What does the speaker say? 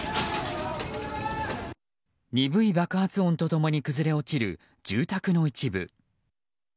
鈍い爆発音と共に崩れ落ちる住宅の一部。